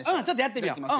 ちょっとやってみよう。